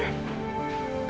iya baik baik saja mbak